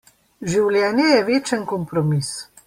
Življenje je večen kompromis.